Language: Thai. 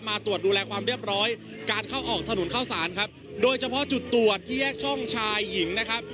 มาตรวจดูแลความเรียบร้อยการเข้าออกถนนเข้าสารครับโดยเฉพาะจุดตรวจที่แยกช่องชายหญิงนะครับ